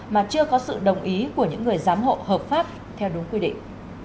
mà chưa có sự đồng ý của những người giám hộ hợp pháp theo đúng quy định